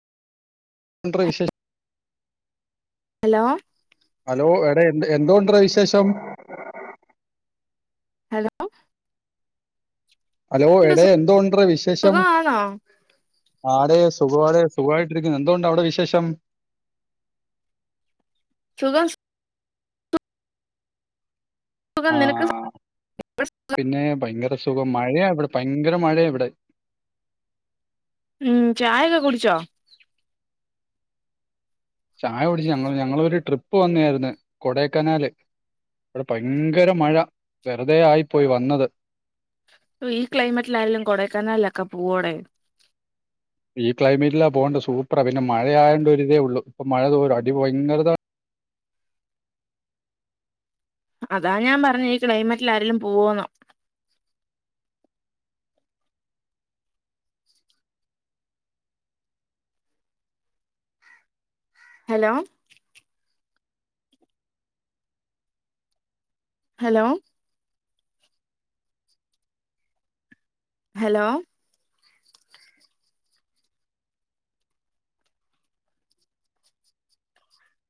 ണ്ട്രടാ വിശേഷം? Hello hello എവിടെ എന്ത്‌ എന്തോഉണ്ട്രടാ വിശേഷം? ഹലോ ഹലോ എന്തുണ്ട് എടെ എന്തോണ്ട്രടാ വിശേഷം? സുഖമാണോ ആടെ സുഖവാടെ സുഖവായിട്ടിരിക്കുന്നു എന്തോ ഉണ്ട് അവിടെ വിശേഷം? സുഖം സുഖം നിനക്ക് ആഹ് പിന്നെ ഭയങ്കര സുഖം മഴയാ ഇവിടെ ഭയങ്കര മഴയാ ഇവിടെ ഉം ചായൊക്കെ കുടിച്ചോ? ചായ കുടിച്ചു ഞങ്ങള് ഞങ്ങളൊരു ട്രിപ്പ് വന്നായിരുന്ന് കൊടേക്കനാല് ഇവിടെ ഭയങ്കര മഴ വെറുതെ ആയി പോയി വന്നത് ഈ ക്ലൈമറ്റിലാരേലും കൊടൈക്കനാലിലൊക്കെ പോവോടെ ഈ ക്ലൈമറ്റിലാ പോകേണ്ട സൂപ്പറാ പിന്നെ മഴയായോണ്ടൊരിതേ ഉള്ളു. ഇപ്പൊ മഴ തോരും അടി ഭയങ്കര അതാ ഞാൻ പറഞ്ഞെ ഈ ക്ലൈമറ്റിൽ ആരേലും പോവോന്ന് ഹലോ ഹലോ ഹലോ